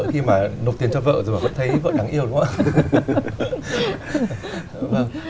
khi mà nộp tiền cho vợ rồi mà vẫn thấy vợ đáng yêu đúng không ạ